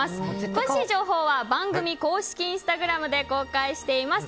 詳しい情報は番組公式インスタグラムで公開しています。